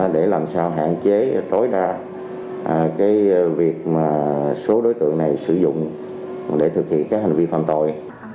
để làm sao hạn chế tối đa cái việc mà số đối tượng này sử dụng để thực hiện các hành vi phạm tội